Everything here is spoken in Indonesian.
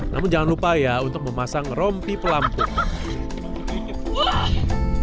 namun jangan lupa ya untuk memasang rompi pelampung